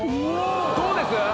どうです！？